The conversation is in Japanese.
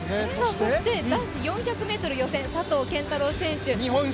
そして男子４００ｍ予選、佐藤拳太郎選手。